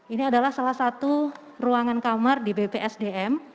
ini adalah salah satu ruangan kamar di bpsdm